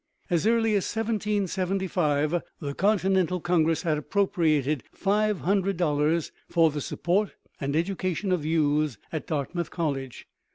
As early as 1775 the Continental Congress had appropriated five hundred dollars for the support and education of youths at Dartmouth College.